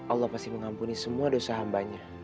allah masih mengampuni semua dosa hambanya